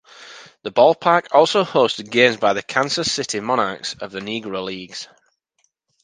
The ballpark also hosted games by the Kansas City Monarchs of the Negro leagues.